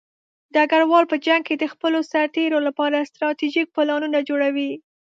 ډګروال په جنګ کې د خپلو سرتېرو لپاره ستراتیژیک پلانونه جوړوي.